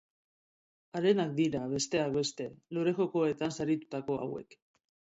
Harenak dira, besteak beste, Lore Jokoetan saritutako hauek.